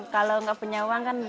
kalau nggak punya uang kan